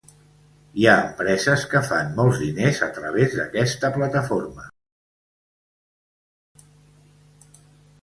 Hi ha empreses que fan molts diners a través d’aquesta plataforma.